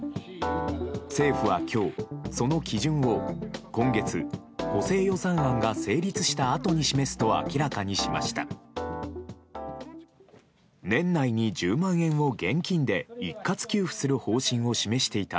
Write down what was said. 政府は今日その基準を今月補正予算案が成立したあとに示すと明らかにしました。